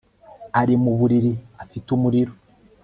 Ari mu buriri afite umuriro